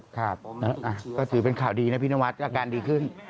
ครับก็ถือเป็นข่าวดีนะพี่นวัดอาการดีขึ้น